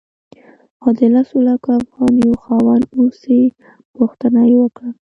او د لسو لکو افغانیو خاوند اوسې پوښتنه یې وکړه.